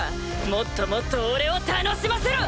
もっともっと俺を楽しませろ！